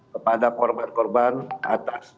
kepada korban korban atas